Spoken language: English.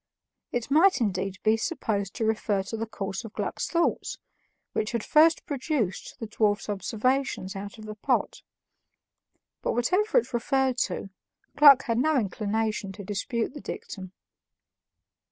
It might indeed be supposed to refer to the course of Gluck's thoughts, which had first produced the dwarf's observations out of the pot; but whatever it referred to, Gluck had no inclination to dispute the dictum.